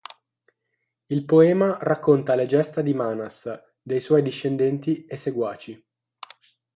Il poema racconta le gesta di Manas, dei suoi discendenti e seguaci.